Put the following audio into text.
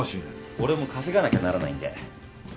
俺も稼がなきゃならないんで。